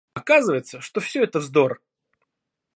Оказывается, что все это вздор!